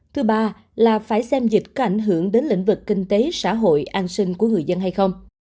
thứ ba là phải xem dịch có ảnh hưởng đến lĩnh vực kinh tế xã hội an sinh của người dân hay không